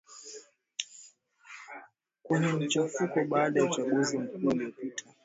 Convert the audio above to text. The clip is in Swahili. kwenye machafuko baada ya uchaguzi mkuu uliopita